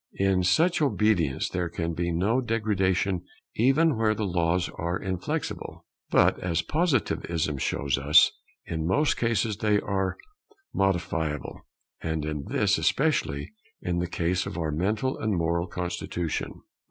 In such obedience there can be no degradation even where the laws are inflexible. But, as Positivism shows us, in most cases they are modifiable, and this especially in the case of our mental and moral constitution.